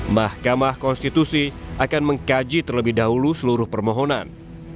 mahkamah konstitusi akan mengkaji terlebih dahulu seluruh permohonan